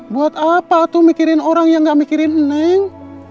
buat apa mikirin orang yang nggak mikirin neng